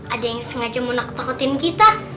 ada yang sengaja menaktokin kita